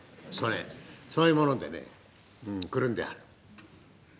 そういう物でねくるんである。